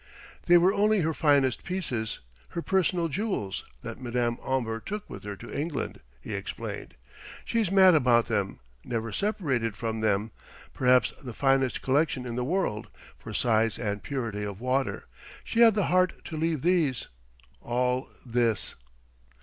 "They were only her finest pieces, her personal jewels, that Madame Omber took with her to England," he explained; "she's mad about them ... never separated from them.... Perhaps the finest collection in the world, for size and purity of water.... She had the heart to leave these all this!"